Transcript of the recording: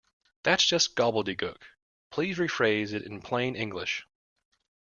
That’s just gobbledegook! Please rephrase it in plain English